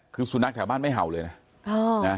คือสุนัขแถวบ้านไม่เห่าเลยนะ